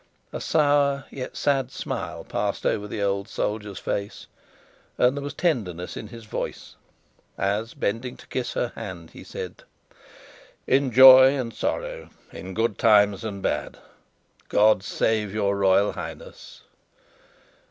A sour, yet sad, smile passed over the old soldier's face, and there was tenderness in his voice, as bending to kiss her hand, he said: "In joy and sorrow, in good times and bad, God save your Royal Highness!"